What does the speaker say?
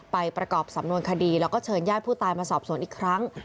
ประกอบสำนวนคดีแล้วก็เชิญญาติผู้ตายมาสอบสวนอีกครั้ง